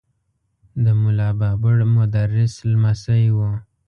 د ملا بابړ مدرس لمسی و.